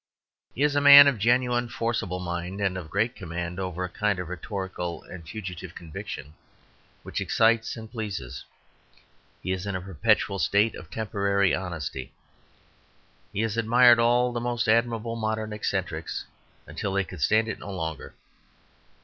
He is a man of genuinely forcible mind and of great command over a kind of rhetorical and fugitive conviction which excites and pleases. He is in a perpetual state of temporary honesty. He has admired all the most admirable modern eccentrics until they could stand it no longer.